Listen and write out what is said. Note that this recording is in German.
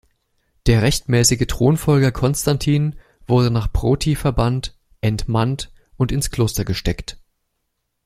Der rechtmäßige Thronfolger Konstantin wurde nach Proti verbannt, entmannt und ins Kloster gesteckt.